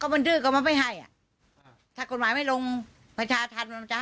มันดื้อก็มันไม่ให้อ่ะถ้ากฎหมายไม่ลงประชาธรรมมันจะให้